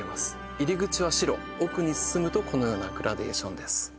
入り口は白奥に進むとこのようなグラデーションです